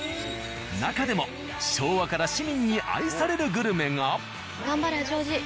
なかでも昭和から市民に愛されるグルメが。